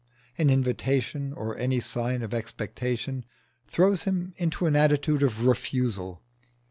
An invitation or any sign of expectation throws him into an attitude of refusal.